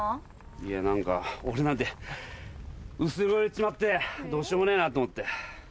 いや何か俺なんて薄汚れちまってどうしようもねえなと思って。